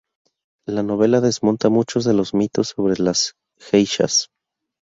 La novela desmonta muchos de los mitos sobre las geishas.